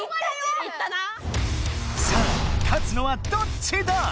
さあ勝つのはどっちだ